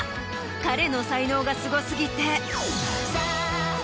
彼の才能がすご過ぎて。